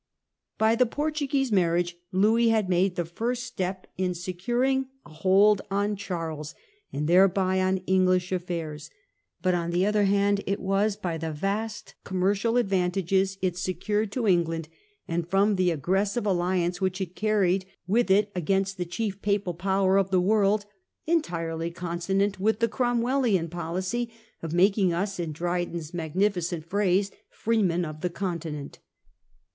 By the Portuguese marriage Louis had made the first step in securing a hold on Charles, and thereby on English affairs. But on the other hand it was, by the vast commercial advantages it secured to England, and from the aggressive alliance which it carried with it against the chief papal power of the world, entirely consonant with the Cromwellian policy of making us, in Dryden's magnificent phrase, 'freemen of the Continent.